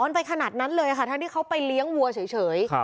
ไปขนาดนั้นเลยค่ะทั้งที่เขาไปเลี้ยงวัวเฉย